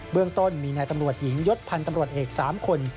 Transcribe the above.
เรื่องต้นมีนายตำรวจหญิงยศพันธ์ตำรวจเอก๓คน